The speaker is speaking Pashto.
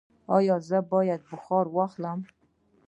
ایا زه باید بخار واخلم؟